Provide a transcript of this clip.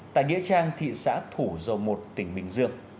tại nghĩa trang thị xã thủ dầu một tỉnh bình dương